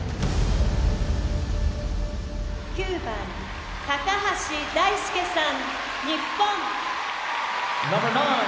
「９番橋大輔さん日本」。